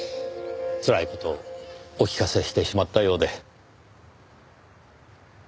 つらい事をお聞かせしてしまったようで。